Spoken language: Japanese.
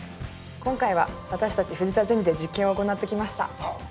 今回は私たち藤田ゼミで実験を行ってきました。